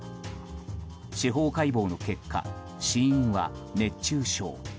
司法解剖の結果、死因は熱中症。